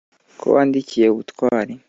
ko wandikiye ubutwari